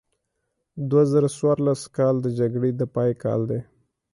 دوه زره څوارلس کال د جګړې د پای کال دی.